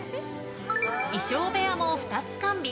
衣裳部屋も２つ完備。